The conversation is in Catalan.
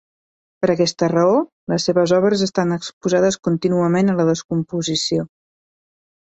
Per aquesta raó, les seves obres estan exposades contínuament a la descomposició.